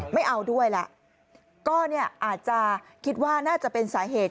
ไม่เอาด้วยแหละก็เนี่ยอาจจะคิดว่าน่าจะเป็นสาเหตุ